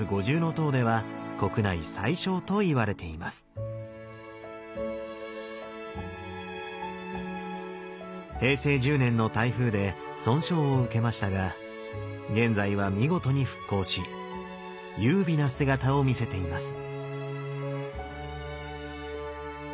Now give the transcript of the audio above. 実は平成１０年の台風で損傷を受けましたが現在は見事に復興し優美な姿を見せています。